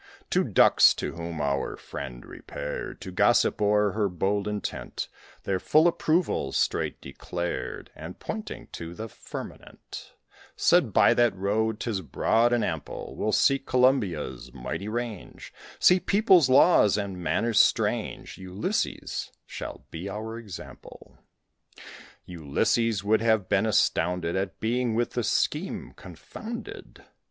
Two Ducks, to whom our friend repaired To gossip o'er her bold intent, Their full approval straight declared; And, pointing to the firmament, Said, "By that road 'tis broad and ample We'll seek Columbia's mighty range, See peoples, laws, and manners strange; Ulysses shall be our example." (Ulysses would have been astounded At being with this scheme confounded.)